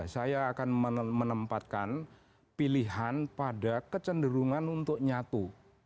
saya akan menempatkan pilihan pada kecenderungan untuk nyatu